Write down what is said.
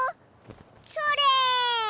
それ！